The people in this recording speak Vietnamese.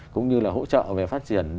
cũng như là hỗ trợ về phát triển